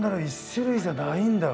１種類じゃないんだ。